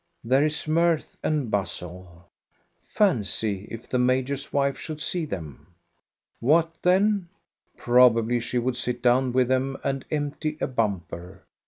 There is mirth and bustle. Fancy, if the major's wife should see them ! What then? Probably she would sit down with them and empty a bumper.